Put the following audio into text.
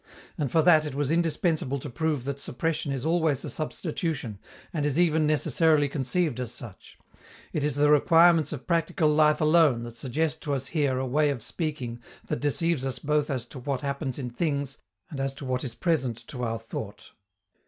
And, for that, it was indispensable to prove that suppression is always a substitution and is even necessarily conceived as such: it is the requirements of practical life alone that suggest to us here a way of speaking that deceives us both as to what happens in things and as to what is present to our thought.